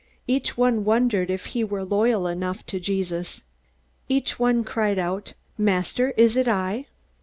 Each one wondered if he were loyal enough to Jesus. Each one cried out: "Master, is it I?"